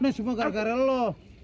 nih semua gara gara lu